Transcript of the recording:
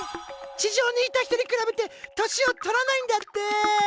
地上にいた人に比べて年を取らないんだって。